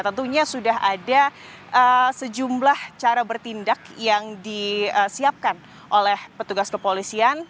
tentunya sudah ada sejumlah cara bertindak yang disiapkan oleh petugas kepolisian